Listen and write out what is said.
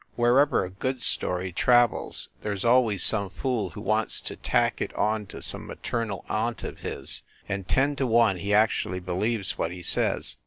Wherever a good story travels, there s always some fool who wants to tack it onto some maternal aunt of his and ten to one he actually believes what he says.